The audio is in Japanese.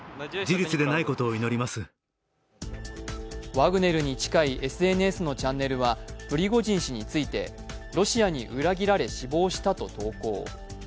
ワグネルに近いＳＮＳのチャンネルはプリゴジン氏について、ロシアに裏切られ死亡したと投稿。